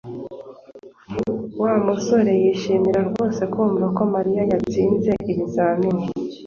Wa musore yishimiye rwose kumva ko Mariya yatsinze ibizamini